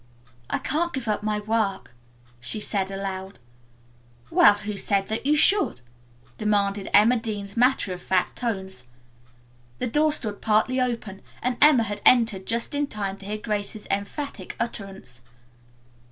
"I can't give up my work," she said aloud. "Well, who said you should?" demanded Emma Dean's matter of fact tones. The door stood partly open and Emma had entered just in time to hear Grace's emphatic utterance.